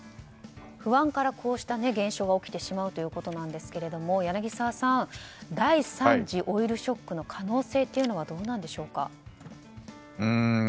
不安からこうした現象が起きてしまうということなんですが柳澤さん第３次オイルショックの可能性はどうなんでしょうか。